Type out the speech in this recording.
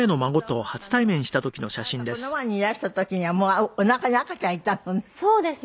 そうするとあなたこの前にいらした時にはもうおなかに赤ちゃんいたのね。